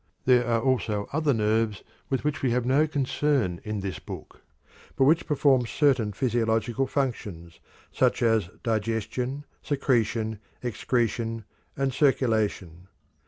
There are also other nerves with which we have no concern in this book, but which perform certain physiological functions, such as digestion, secretion, excretion, and circulation.